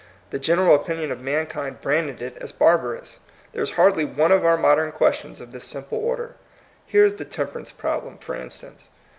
The general opinion of mankind branded it as barbarous. There is hardly one of our modern questions of this simple order. Here is the temperance problem, for in stance.